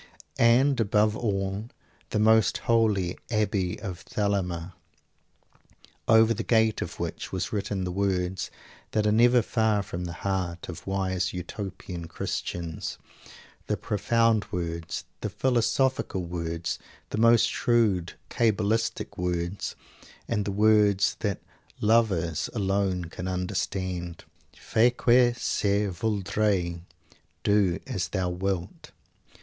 And, above all, the most holy Abbey of Thelema, over the gate of which was written the words that are never far from the hearts of wise Utopian Christians, the profound words, the philosophical words, the most shrewd Cabalistic words, and the words that "lovers" alone can understand "Fay que ce Vouldray!" Do as Thou Wilt!